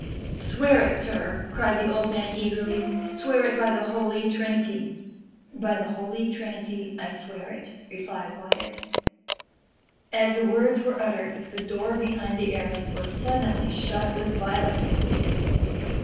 "Swear it, sir," cried the old man eagerly "swear it by the Holy Trinity." "By the Holy Trinity, I swear it," replied Wyat. As the words were uttered, the door behind the arras was suddenly shut with violence.